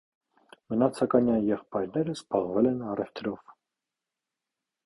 Մնացականյան եղբայրները զբաղվել են առևտրով։